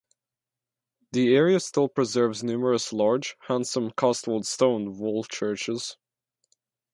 The area still preserves numerous large, handsome Cotswold Stone "wool churches".